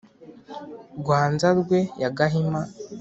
rwa nzarwe ya gahima,